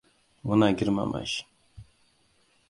Muna girmama shi.